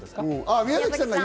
宮崎さん